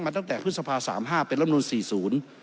มาตั้งแต่พฤษภาพ๓๕เป็นร่ำนูล๔๐